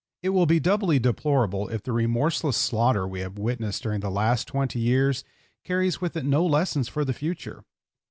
It will be doubly deplorable if the remorseless slaughter we have witnessed during the last twenty years carries with it no lessons for the future.